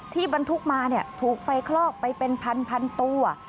บรรทุกมาถูกไฟคลอกไปเป็นพันตัว